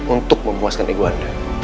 untuk memuaskan iguan